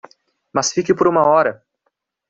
Mas fique por uma hora